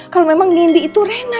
kalau memang nindi itu rena